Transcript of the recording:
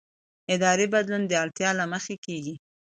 اداري بدلون د اړتیا له مخې کېږي